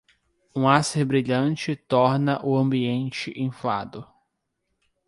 Um ácer brilhante torna o ambiente inflado.